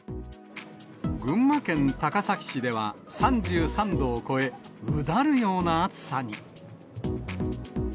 群馬県高崎市では３３度を超え、うだるような暑さに。